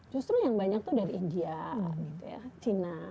justru yang banyak itu dari india china